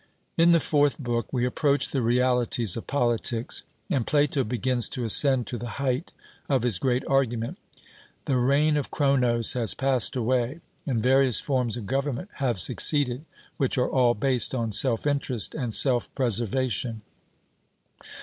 In the fourth book we approach the realities of politics, and Plato begins to ascend to the height of his great argument. The reign of Cronos has passed away, and various forms of government have succeeded, which are all based on self interest and self preservation.